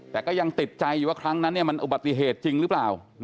แต่ก็ยังติดใจอยู่ว่าครั้งนั้นมันอุบัติเหตุจริงหรือเปล่า